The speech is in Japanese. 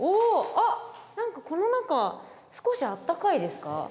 あっ何かこの中少しあったかいですか？